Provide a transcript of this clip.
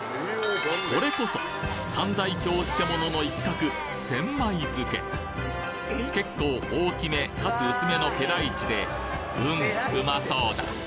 これこそ三大京漬物の一角結構大きめ且つ薄めのペライチでうんうまそうだ